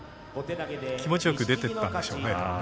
気持ちよく出ていったんでしょうね。